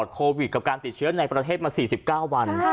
โควิดกับการติดเชื้อในประเทศมา๔๙วัน